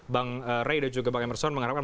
bang ray dan juga bang emerson mengharapkan